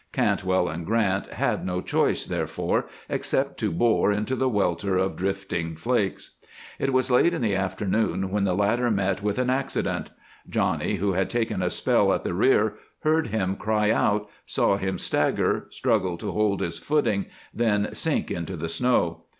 Cantwell and Grant had no choice, therefore, except to bore into the welter of drifting flakes. It was late in the afternoon when the latter met with an accident. Johnny, who had taken a spell at the rear, heard him cry out, saw him stagger, struggle to hold his footing, then sink into the snow.